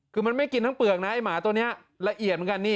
คือมันไม่กินทั้งเปลือกนะไอ้หมาตัวนี้ละเอียดเหมือนกันนี่